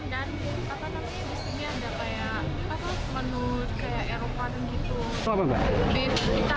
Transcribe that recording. dikasih tahu sama teman teman tapi disini ada kayak